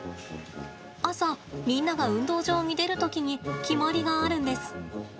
朝、みんなが運動場に出る時に決まりがあるんです。